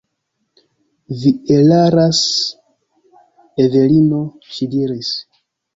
Vi eraras, Evelino, ŝi diris.